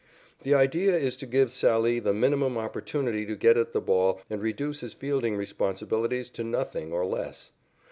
The idea is to give Sallee the minimum opportunity to get at the ball and reduce his fielding responsibilities to nothing or less.